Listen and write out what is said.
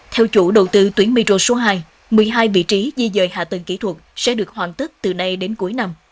theo chủ đầu tư tuyến miro số hai một mươi hai vị trí đi rời hạ tầng kỹ thuật sẽ được hoàn tất từ nay đến cuối năm